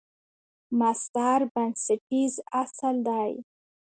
مصدر بنسټیز اصل دئ.